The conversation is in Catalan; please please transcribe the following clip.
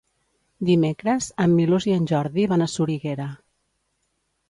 Dimecres en Milos i en Jordi van a Soriguera.